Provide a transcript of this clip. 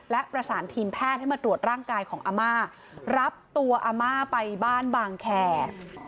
และประสานทีมแพทย์ให้มาตรวจร่างกายของอาม่ารับตัวอาม่าไปบ้านบางแคร์